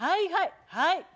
はいはい。